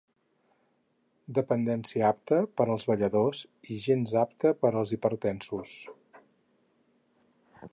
Dependència apta per als balladors i gens apta per als hipertensos.